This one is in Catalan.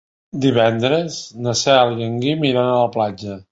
Divendres na Cel i en Guim iran a la platja.